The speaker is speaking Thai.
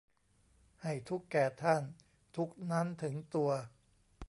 ให้ทุกข์แก่ท่าน ทุกข์นั้นถึงตัว